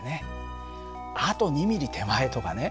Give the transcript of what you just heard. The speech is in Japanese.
「あと２ミリ手前」とかね